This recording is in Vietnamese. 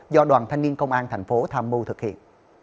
do đoàn thanh niên công an thành phố tham mưu thực hiện